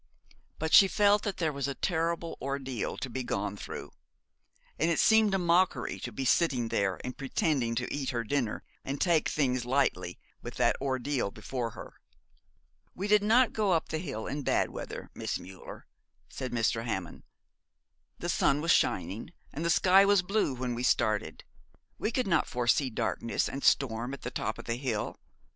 But she felt that there was a terrible ordeal to be gone through; and it seemed a mockery to be sitting there and pretending to eat her dinner and take things lightly, with that ordeal before her. 'We did not go up the hill in bad weather, Miss Müller,' said Mr. Hammond. 'The sun was shining and the sky was blue when we started. We could not foresee darkness and storm at the top of the hill.